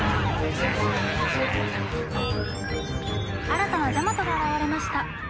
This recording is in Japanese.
新たなジャマトが現れました。